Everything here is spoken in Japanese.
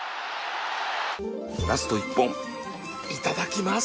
ラスト１本いただきます